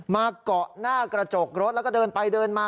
มาเกาะหน้ากระจกรถแล้วก็เดินไปเดินมา